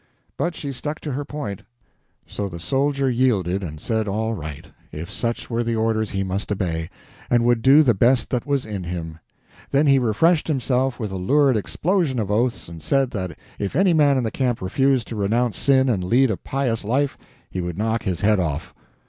But she stuck to her point; so the soldier yielded, and said all right, if such were the orders he must obey, and would do the best that was in him; then he refreshed himself with a lurid explosion of oaths, and said that if any man in the camp refused to renounce sin and lead a pious life, he would knock his head off.